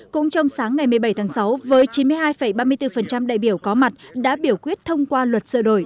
cũng trong sáng ngày một mươi bảy tháng sáu với chín mươi hai ba mươi bốn đại biểu có mặt đã biểu quyết thông qua luật sửa đổi